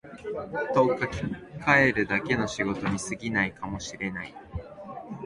と書きかえるだけの仕事に過ぎないかも知れない